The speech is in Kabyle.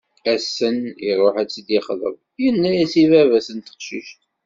Ass-nn iruḥ ad tt-id-yexḍeb, yenna-as i baba-s n teqcict.